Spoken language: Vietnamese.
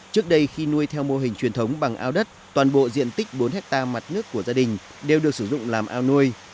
trước đây khi nuôi theo mô hình truyền thống bằng ao đất toàn bộ diện tích bốn hectare mặt nước của gia đình đều được sử dụng làm ao nuôi